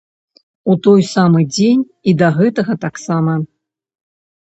У той самы дзень і да гэтага таксама.